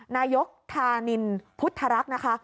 นายกธานินพุทธรักษ์นะคะ